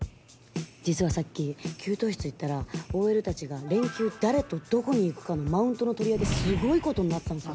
実はさっき給湯室行ったらＯＬたちが連休を誰とどこに行くかのマウントの取り合いですごいことになってたんですよ。